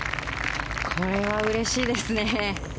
これはうれしいですね。